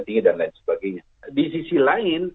tinggi dan lain sebagainya di sisi lain